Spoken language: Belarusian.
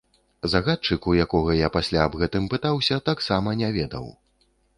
Загадчык, у якога я пасля аб гэтым пытаўся, таксама не ведаў.